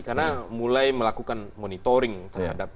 karena mulai melakukan monitoring terhadap